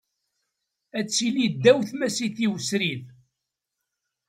Ad tili ddaw tmasit-iw srid.